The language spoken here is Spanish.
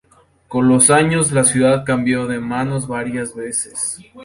Con los años, la ciudad cambió de manos varias veces.